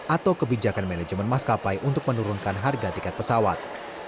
atau kebijakan manajemen maskapai untuk menurunkan harga tiket pesawat